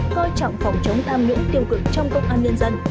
coi trọng phòng chống tham nhũng tiêu cực trong công an nhân dân